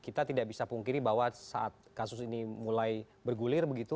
kita tidak bisa pungkiri bahwa saat kasus ini mulai bergulir begitu